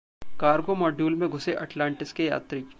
cargo module में घुसे Atlantis के यात्री